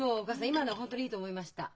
今のは本当にいいと思いました。